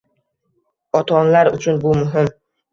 Ota-onalar uchun bu muhim